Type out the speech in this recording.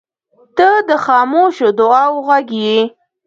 • ته د خاموشو دعاوو غږ یې.